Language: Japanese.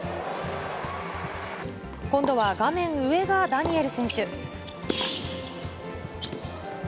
今度は画面上がダニエル選手。